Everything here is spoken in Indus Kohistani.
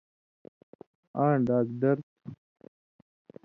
آں، ڈاگدر تُھو۔